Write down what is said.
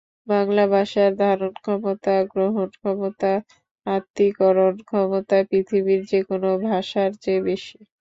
বাংলা ভাষার ধারণক্ষমতা, গ্রহণক্ষমতা, আত্তীকরণ ক্ষমতা পৃথিবীর যেকোনো ভাষার চেয়ে বেশি।